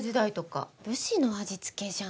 武士の味付けじゃん。